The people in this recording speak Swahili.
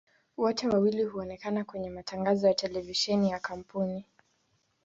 Wote wawili huonekana kwenye matangazo ya televisheni ya kampuni.